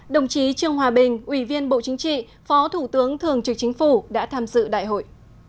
đồng chí trương hòa bình ủy viên bộ chính trị phó thủ tướng thường trực chính phủ đã tham dự đại hội